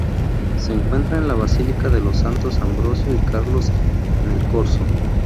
Se encuentra en la Basílica de los Santos Ambrosio y Carlos en el Corso.